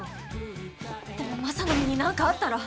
でもマサの身に何かあったら。